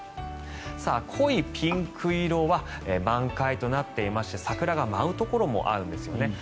濃いピンク色は満開となっていまして桜が舞うところもあるんですよね。